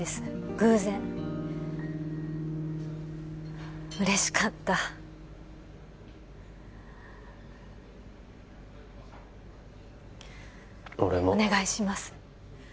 偶然嬉しかった俺もお願いします